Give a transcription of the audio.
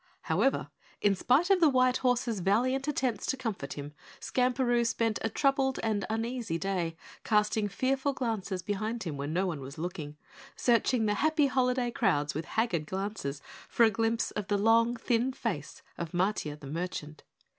However, in spite of the white horse's valiant attempts to comfort him, Skamperoo spent a troubled and uneasy day, casting fearful glances behind him when no one was looking, searching the happy holiday crowds with haggard glances for a glimpse of the long, thin face of Matiah the merchant.